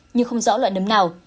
nhưng không rõ loại nấm nào